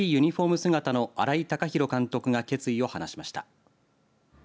姿の新井貴浩監督が決意を話しました。